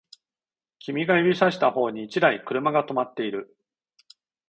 君が指差した方に一台車が止まっている